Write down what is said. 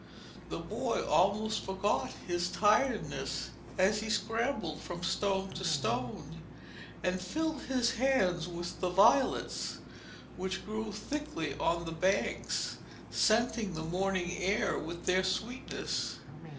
The boy almost forgot his tiredness as he scrambled from stone to stone, and filled his hands with the violets which grew thickly on the banks, scenting the morning air with their sweetness.